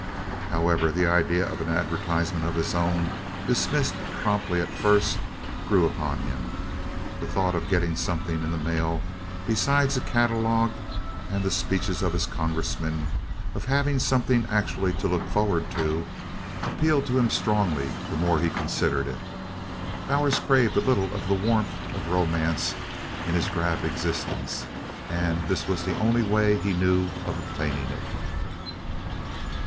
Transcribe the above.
However, the idea of an advertisement of his own, dismissed promptly at first, grew upon him. The thought of getting something in the mail besides a catalogue and the speeches of his congressman, of having something actually to look forward to, appealed to him strongly the more he considered it. Bowers craved a little of the warmth of romance in his drab existence and this was the only way he knew of obtaining it.